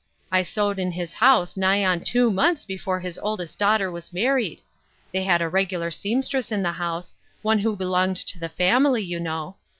I sewed in his house nigh on two months before his oldest daughter was married. They had a regular seamstress in the house, one who be longed to the family, you know.